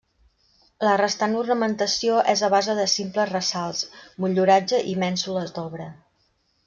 La restant ornamentació és a base de simples ressalts, motlluratge i mènsules d'obra.